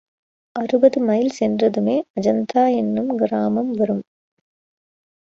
அறுபது மைல் சென்றதுமே அஜந்தா என்னும் கிராமம் வரும்.